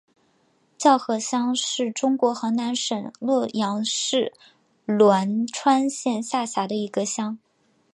叫河乡是中国河南省洛阳市栾川县下辖的一个乡。